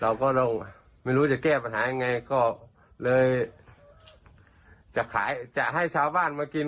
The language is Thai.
เราก็ต้องไม่รู้จะแก้ปัญหายังไงก็เลยจะขายจะให้ชาวบ้านมากิน